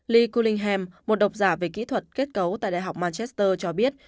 lee cullingham một độc giả về kỹ thuật kết cấu tại đại học manchester cho biết